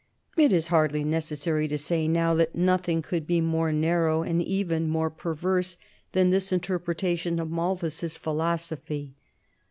It is hardly necessary to say now that nothing could be more narrow and even more perverse than this interpretation of Malthus's philosophy.